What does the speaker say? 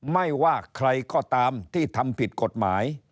ไม่ว่าใครก็ตามที่ทำผิดกฎหมาย